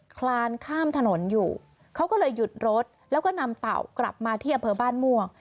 คลานข้ามถนนอยู่เขาก็เลยหยุดรถแล้วก็นำเต่ากลับมาที่อำเภอบ้านม่วง